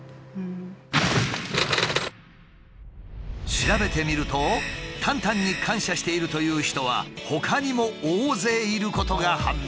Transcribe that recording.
調べてみるとタンタンに感謝しているという人はほかにも大勢いることが判明。